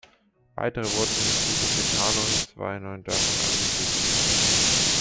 Weitere wurden im Suco Betano in zwei neuen Dörfern angesiedelt.